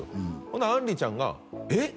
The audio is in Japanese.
ほんならあんりちゃんが「えっ？